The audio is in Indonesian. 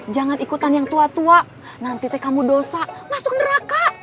jangan ikutan yang tua tua nanti teh kamu dosa masuk neraka